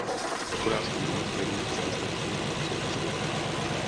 Hospodářský růst i růst zaměstnanosti jsou působivé.